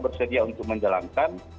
bersedia untuk menjalankan